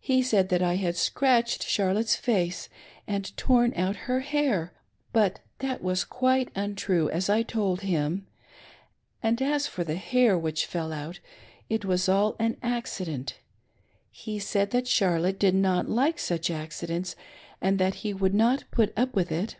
He said that I had scratched charlotte's face and torn out her hair; but that was quite untrue, as I told him ; and as for the hair which fell out, it was all an accident. He said that Charlotte did not like such acci dents and that he would not put up with it.